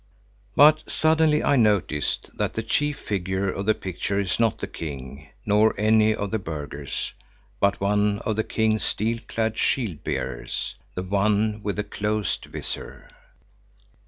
But suddenly I noticed that the chief figure of the picture is not the king, nor any of the burghers, but one of the king's steel clad shield bearers, the one with the closed vizor.